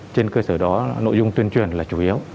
trên cơ sở đó nội dung tuyên truyền là chủ yếu